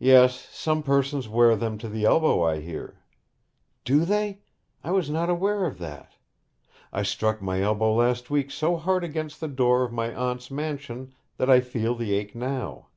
'Yes. Some persons wear them to the elbow, I hear.' 'Do they? I was not aware of that. I struck my elbow last week so hard against the door of my aunt's mansion that I feel the ache now.'